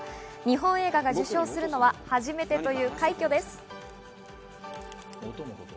日本映画が授賞するのは初めてという快挙です。